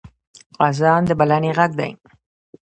اذان د بلنې غږ دی